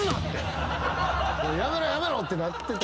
やめろやめろってなってた。